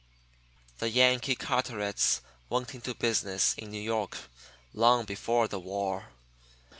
The Yankee Carterets went into business in New York long before the war.